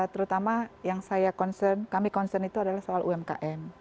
terutama yang saya concern kami concern itu adalah soal umkm